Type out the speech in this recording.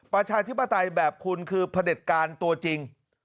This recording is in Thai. ประชาธิปไตยแบบคุณคือพระเด็จการตัวจริง